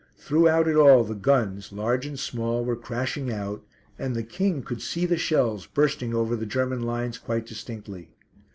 Throughout it all the guns, large and small, were crashing out, and the King could see the shells bursting over the German lines quite distinctly.